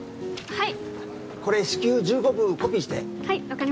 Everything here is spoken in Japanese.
はい。